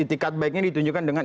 itikat baiknya ditunjukkan dengan